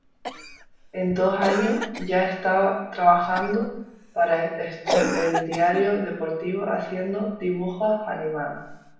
En dos años, ya estaba trabajando para "Esto", el diario deportivo, haciendo dibujos animados.